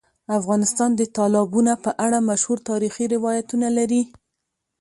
افغانستان د تالابونه په اړه مشهور تاریخی روایتونه لري.